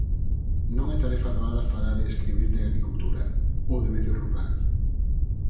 Non é tarefa doada falar e escribir de agricultura, ou de medio rural.